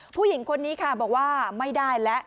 ผู้หญิงคนนี้ค่ะบอกว่าไม่ได้แล้ว